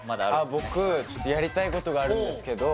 僕ちょっとやりたいことがあるんですけど